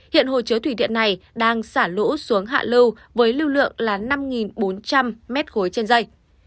hiện hồ chứa thủy điện này đang xả lũ xuống hạ lưu với lưu lượng là năm bốn trăm linh m ba trên dây